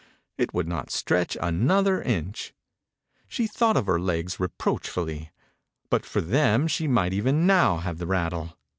It would not stretch an other inch. She thought of her 53 THE INCUBATOR BABY legs reproachfully. But for them she might even now have the rattle.